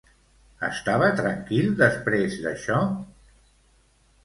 Estava tranquil després d'això?